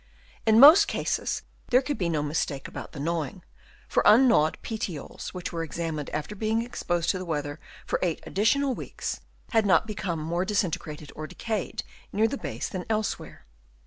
In most cases there could be no mistake about the gnawing ; for ungnawed petioles which were examined after being exposed to the weather for eight additional weeks had not become more disintegrated or decayed near the base than elsewhere.